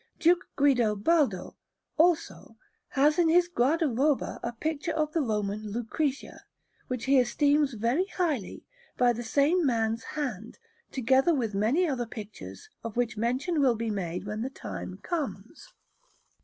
Duke Guido Baldo, also, has in his guardaroba a picture of the Roman Lucretia, which he esteems very highly, by the same man's hand, together with many other pictures, of which mention will be made when the time comes.